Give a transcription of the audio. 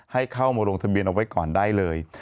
ให้เข้ามาลงทะเบียนเอาไว้ก่อนได้เลย